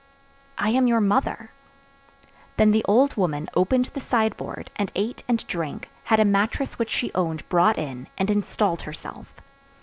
"I am your mother." Then the old woman opened the sideboard, and ate and drank, had a mattress which she owned brought in, and installed herself.